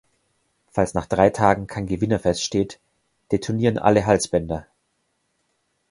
Falls nach drei Tagen kein „Gewinner“ feststeht, detonieren alle Halsbänder.